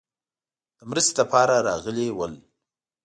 د مرستې لپاره راغلي ول.